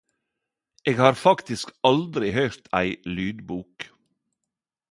Eg har faktisk aldri høyrt ei lydbok.